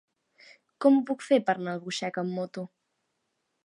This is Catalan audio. Com ho puc fer per anar a Albuixec amb moto?